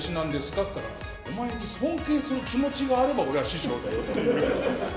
って言ったら、お前に尊敬する気持ちがあれば、俺は師匠だよって。